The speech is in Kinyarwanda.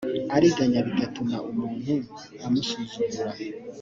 ariganya bigatuma umuntu umusuzugura